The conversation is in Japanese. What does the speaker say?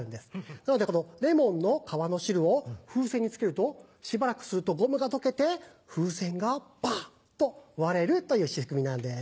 なのでこのレモンの皮の汁を風船につけるとしばらくするとゴムが溶けて風船がバン！と割れるという仕組みなんです。